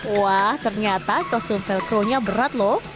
wah ternyata kosong velcro nya berat lho